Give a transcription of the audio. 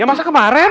ya masa kemarin